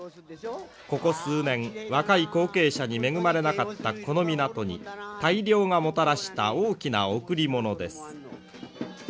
ここ数年若い後継者に恵まれなかったこの港に大漁がもたらした大きな贈り物です。